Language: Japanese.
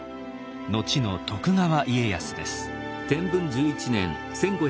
後の徳川家康です。